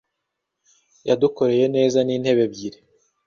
Yadukoreye ameza n'intebe ebyiri.